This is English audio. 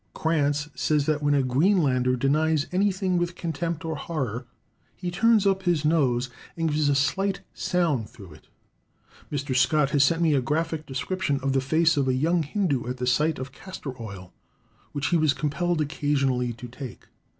Crantz says that when a Greenlander denies anything with contempt or horror he turns up his nose, and gives a slight sound through it. Mr. Scott has sent me a graphic description of the face of a young Hindoo at the sight of castor oil, which he was compelled occasionally to take.